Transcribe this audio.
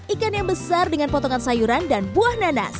ikan yang besar dengan potongan sayuran dan buah nanas